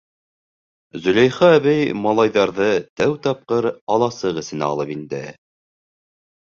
Зөләйха әбей малайҙарҙы тәү тапҡыр аласыҡ эсенә алып инде.